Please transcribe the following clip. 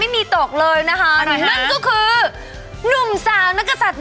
แอร์โหลดแล้วคุณล่ะโหลดแล้ว